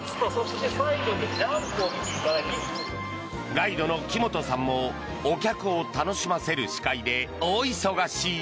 ガイドの木本さんもお客を楽しませる司会で大忙し。